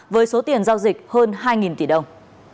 với số tiền giao dịch hơn hai tỷ đồng